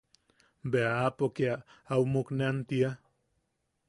Bea aapo kee au muknean tia tea.